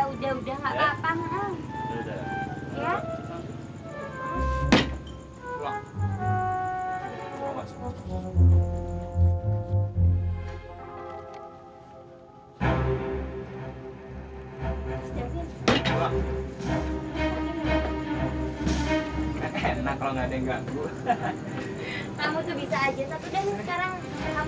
iya udah udah nggak apa apa mak